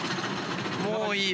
もういいよ。